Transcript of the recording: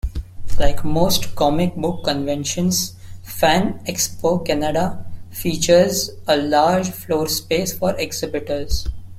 Like most comic book conventions, Fan Expo Canada features a large floorspace for exhibitors.